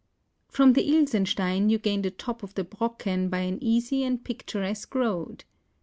From the Ilsenstein you gain the top of the Brocken by an easy and picturesque road.